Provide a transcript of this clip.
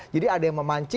jadi ada yang memanci